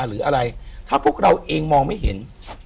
หรืออะไรถ้าพวกเราเองมองไม่เห็น